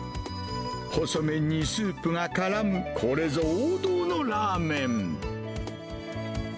細麺にスープがからむ、これぞ王道のラーメン。